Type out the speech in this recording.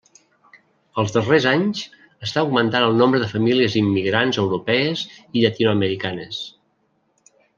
Els darrers anys, està augmentant el nombre de famílies immigrants europees i llatinoamericanes.